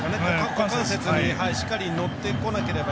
股関節にしっかり乗ってこなければ